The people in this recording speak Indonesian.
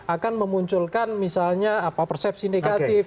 akan memunculkan misalnya persepsi negatif